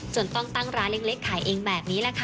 ต้องตั้งร้านเล็กขายเองแบบนี้แหละค่ะ